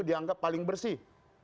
dianggap paling bersih